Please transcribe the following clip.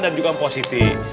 dan juga mpositif